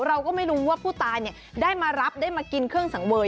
เราก็ไม่รู้ว่าผู้ตายได้มารับได้มากินเครื่องสังเวย